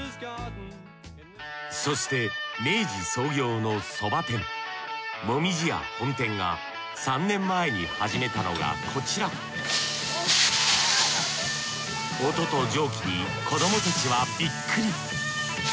そして明治創業のそば店紅葉屋本店が３年前に始めたのがこちら音と蒸気に子どもたちはビックリ。